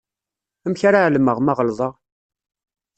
Amek ara εelmeɣ ma ɣelḍeɣ?